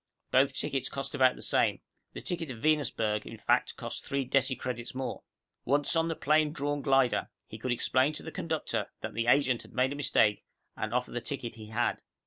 Both tickets cost about the same; the ticket to Venusberg, in fact, cost three decicredits more. Once on the plane drawn glider, he could explain to the conductor that the agent had made a mistake and offer the ticket he had.